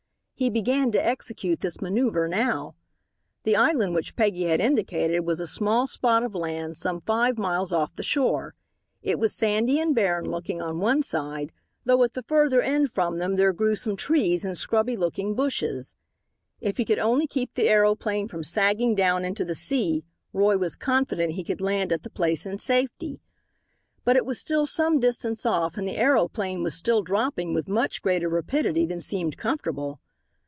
He began to execute this maneuver now. The island which Peggy had indicated was a small spot of land some five miles off the shore. It was sandy and barren looking on one side, though at the further end from them there grew some trees and scrubby looking bushes. If he could only keep the aeroplane from sagging down into the sea Roy was confident he could land at the place in safety. But it was still some distance off and the aeroplane was still dropping with much greater rapidity than seemed comfortable.